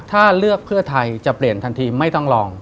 ถ้าเลือกเพื่อไทยจะเปลี่ยนทันทีไม่ต้องลอง